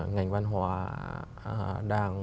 ngành văn hóa đang